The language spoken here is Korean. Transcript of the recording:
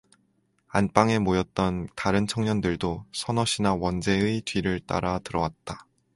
안방에 모였던 다른 청년들도 서넛이나 원재의 뒤를 따라 들어왔다.